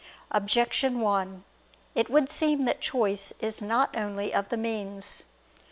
Objection 1: It would seem that choice is not only of the means.